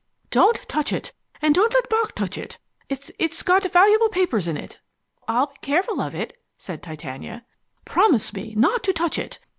"Don't touch it, and don't let Bock touch it. It it's got valuable papers in it." "I'll be careful of it," said Titania. "Promise me not to touch it.